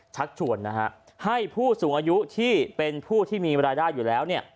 ชักชวนให้ผู้สูงอายุที่เป็นผู้ที่มีรายได้อยู่แล้ว